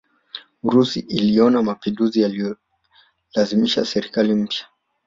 Urusi iliona mapinduzi yaliyolazimisha serikali mpya